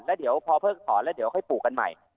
แล้วเดี๋ยวพอเพิกถอนแล้วเดี๋ยวค่อยปลูกกันใหม่